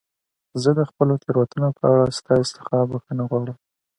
زه د خپلو تېروتنو په اړه ستاسي څخه بخښنه غواړم.